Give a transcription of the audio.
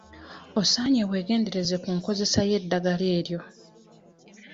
Osaanye weegendereze ku nkozesa y'eddagala eryo.